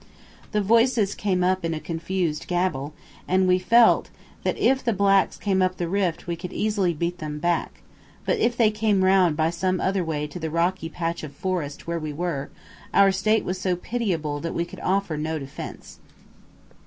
The voices came up in a confused gabble, and we felt that if the blacks came up the rift we could easily beat them back; but if they came round by some other way to the rocky patch of forest where we were, our state was so pitiable that we could offer no defence.